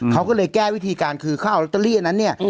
เขาก็เลยแก้วิธีการคือเขาเอาลอตเตอรี่อันนั้นเนี่ย